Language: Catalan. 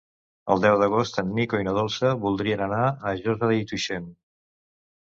El deu d'agost en Nico i na Dolça voldrien anar a Josa i Tuixén.